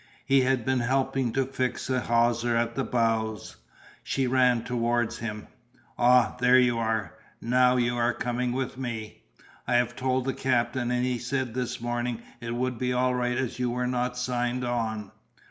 He had been helping to fix a hawser at the bows. She ran towards him. "Ah, there you are. Now, you are coming with me. I have told the captain and he said this morning it would be all right as you were not signed on."